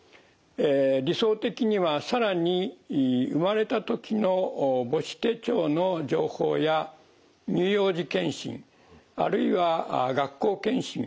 理想的には更に生まれた時の母子手帳の情報や乳幼児健診あるいは学校健診